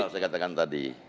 saya katakan tadi